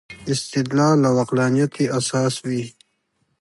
استدلال او عقلانیت یې اساس وي.